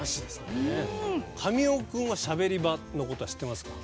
神尾君は「しゃべり場」のことは知ってますか？